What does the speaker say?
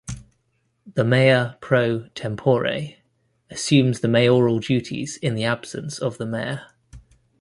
The Mayor Pro Tempore assumes the Mayoral duties in the absence of the Mayor.